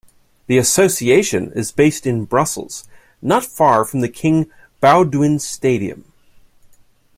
The association is based in Brussels, not far from the King Baudouin Stadium.